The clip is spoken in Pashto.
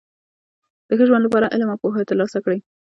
د ښه ژوند له پاره علم او پوهه ترلاسه کړئ!